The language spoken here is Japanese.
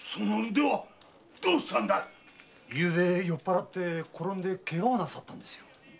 昨夜酔って転んで怪我をなさったんですよ。